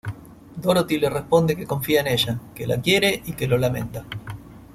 Dorothy le responde que confía en ella, que la quiere y que lo lamenta.